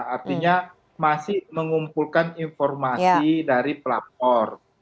artinya masih mengumpulkan informasi dari pelapor